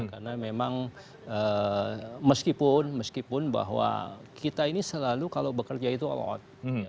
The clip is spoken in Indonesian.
karena memang meskipun bahwa kita ini selalu kalau bekerja itu all out